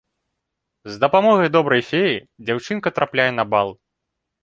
З дапамогай добрай феі дзяўчынка трапляе на бал.